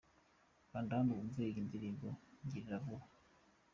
Kanda hano wumve iyi ndirimbo 'Ngirira vuba' .